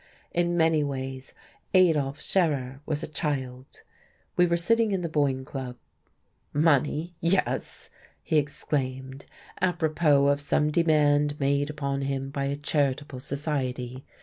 In many ways Adolf Scherer was a child. We were sitting in the Boyne Club. "Money yes!" he exclaimed, apropos of some demand made upon him by a charitable society.